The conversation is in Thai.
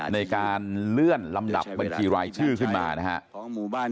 ในการเลื่อนลำดับบัญชีรายชื่อขึ้นมานะครับ